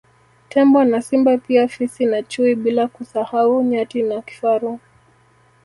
Tembo na Simba pia Fisi na chui bila kusahau Nyati na Kifaru